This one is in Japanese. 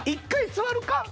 １回座るか？